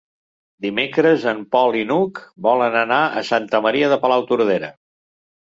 Dimecres en Pol i n'Hug volen anar a Santa Maria de Palautordera.